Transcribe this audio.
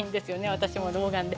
私も老眼で。